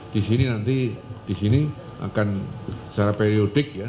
di sini nanti di sini akan secara periodik ya